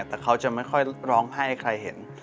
แต่เขาจะไม่ค่อยร้องไห้ใครเห็น